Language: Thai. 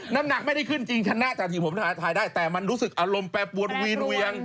น้ำหนักไม่ได้ขึ้นจริงชนะจากที่ผมถ่ายได้แต่มันรู้สึกอารมณ์แปรปวนวีนเวียง